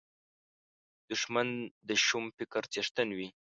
دښمن د شوم فکر څښتن وي